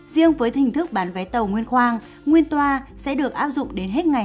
riêng với hình thức bán vé tàu nguyên khoang nguyên toa sẽ được áp dụng đến hết ngày hai mươi tám hai hai nghìn hai mươi hai